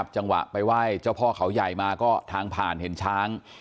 จังหวะไปไหว้เจ้าพ่อเขาใหญ่มาก็ทางผ่านเห็นช้าง